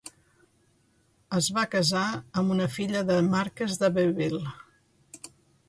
Es va casar amb una filla de Marques d'Abbeville.